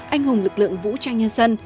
anh hùng lực lượng vũ trang nhân dân